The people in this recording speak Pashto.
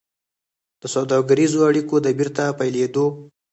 د سوداګريزو اړيکو د بېرته پيلېدو